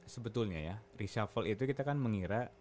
sebetulnya ya reshuffle itu kita kan mengira